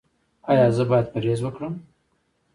ایا زه باید پرهیز وکړم؟